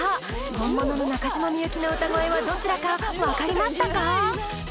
本物の中島みゆきの歌声はどちらか分かりましたか？